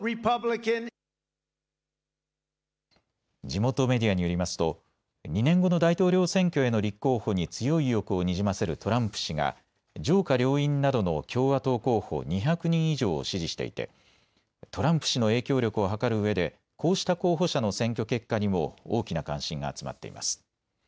地元メディアによりますと２年後の大統領選挙への立候補に強い意欲をにじませるトランプ氏が上下両院などの共和党候補、２００人以上を支持していてトランプ氏の影響力を測るうえでこうした候補者の選挙結果にも大きな関心が集まっています。